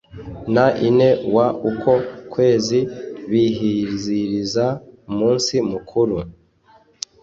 n ine w uko kwezi bizihiriza umunsi mukuru